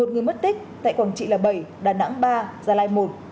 một mươi một người mất tích tại quảng trị là bảy đà nẵng ba gia lai một